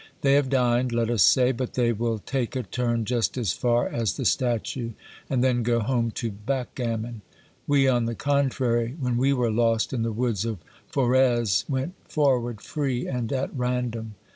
They have dined, let us say, but they will take a turn just as far as the statue and then go home to backgammon. We, on the contrary, when we were lost in the woods of Forez, went forward free and at random.